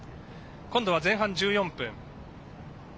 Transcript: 今度は前半１４分。